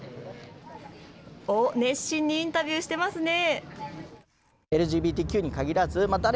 熱心にインタビューしてますね。